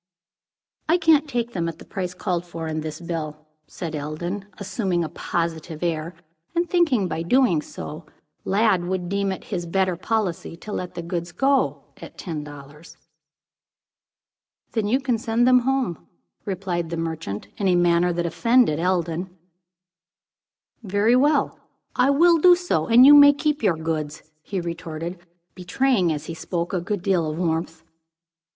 "I can't take them at the price called for in this bill," said Eldon, assuming a positive air, and thinking, by doing so, Lladd would deem it his better policy to let the goods go at ten dollars. "Then you can send them home," replied the merchant, in a manner that offended Eldon. "Very well, I will do so, and you may keep your goods," he retorted, betraying, as he spoke, a good deal of warmth.